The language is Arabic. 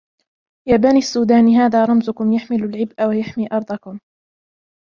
يا بني السودان هذا رمزكم يحمل العبء ويحمي أرضكم.